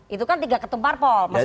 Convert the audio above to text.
itu kan tiga ketumpar pol